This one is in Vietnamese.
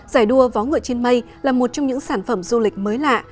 giải đua vó ngựa trên mây là một trong những sản phẩm du lịch mới lạ